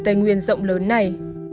tây nguyên rộng lớn này